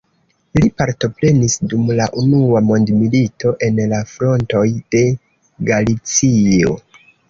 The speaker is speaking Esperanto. Li partoprenis dum la unua mondmilito en la frontoj de Galicio.